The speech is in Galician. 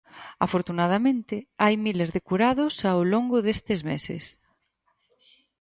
Afortunadamente, hai miles de curados ao longo destes meses.